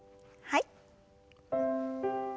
はい。